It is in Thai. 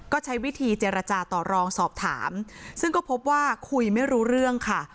ก็ใช้วิธีเจรจาต่อรองสอบถามซึ่งก็พบว่าคุยไม่รู้เรื่องค่ะ